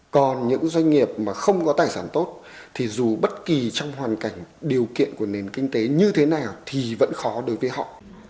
còn những doanh nghiệp mà không có tài sản tốt thì dù bất kỳ trong hoàn cảnh điều kiện của nền kinh tế như thế nào thì vẫn khó đối với họ